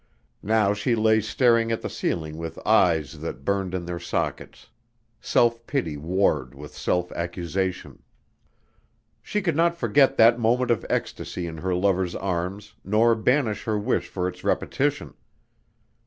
Now she lay staring at the ceiling with eyes that burned in their sockets. Self pity warred with self accusation. She could not forget that moment of ecstasy in her lover's arms nor banish her wish for its repetition.